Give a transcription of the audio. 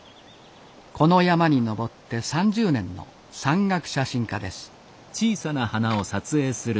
この山に登って３０年の山岳写真家です。